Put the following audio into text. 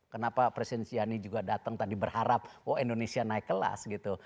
kenapa presiden ciani juga datang tadi berharap indonesia naik kelas gitu